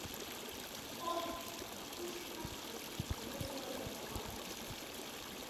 Ҟоҳ, бхы шԥашу, ибыхьуазар ҟалап!